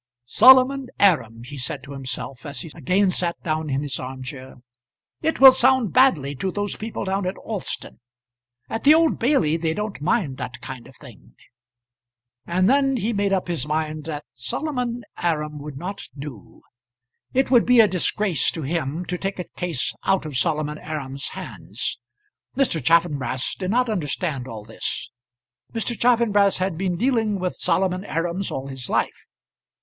"Solomon Aram!" he said to himself, as he again sat down in his arm chair. "It will sound badly to those people down at Alston. At the Old Bailey they don't mind that kind of thing." And then he made up his mind that Solomon Aram would not do. It would be a disgrace to him to take a case out of Solomon Aram's hands. Mr. Chaffanbrass did not understand all this. Mr. Chaffanbrass had been dealing with Solomon Arams all his life.